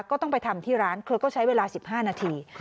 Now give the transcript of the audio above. ก็ต้องไปทำที่ร้านเธอก็ใช้เวลา๑๕นาที